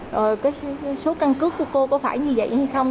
rồi cái số căn cứ của cô có phải như vậy hay không